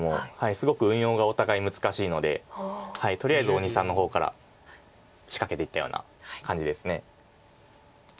すごく運用がお互い難しいのでとりあえず大西さんの方から仕掛けていったような感じです。